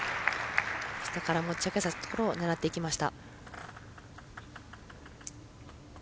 下から持ち上げたところを狙っていきました。